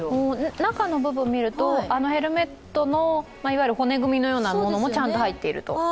中の部分見ると、あのヘルメットの骨組みのようなものもちゃんと入っていると。